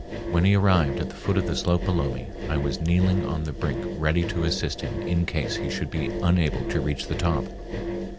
When he arrived at the foot of the slope below me, I was kneeling on the brink ready to assist him in case he should be unable to reach the top.